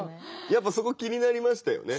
やっぱそこ気になりましたよね。